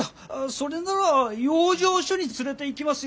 それなら養生所に連れて行きますよ。